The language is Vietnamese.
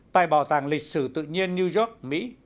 tại bảo tàng lịch sử tự nhiên new york mỹ